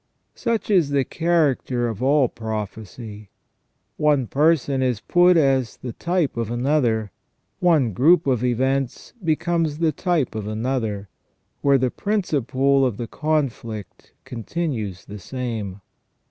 Such is the character of all prophecy. One person is put as the type of another, one group of events becomes the type of another, where the principle of the conflict continues the same.